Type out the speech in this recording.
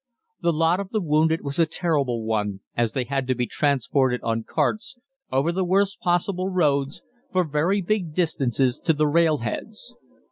The lot of the wounded was a terrible one, as they had to be transported on carts, over the worst possible roads, for very big distances to the rail heads.